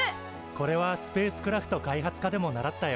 これはスペースクラフト開発科でも習ったよ。